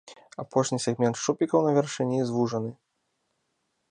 Апошні сегмент шчупікаў на вяршыні звужаны.